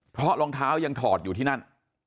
เพราะรองเท้ายังถอดอยู่ที่นั่น